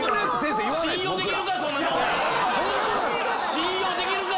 信用できるか！